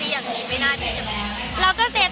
มันเหมือนกับมันเหมือนกับมันเหมือนกับ